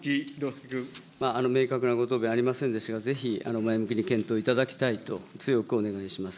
明確なご答弁ありませんでしたが、ぜひ前向きに検討いただきたいと強くお願いします。